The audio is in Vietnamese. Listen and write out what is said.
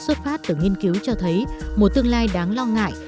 xuất phát từ nghiên cứu cho thấy một tương lai đáng lo ngại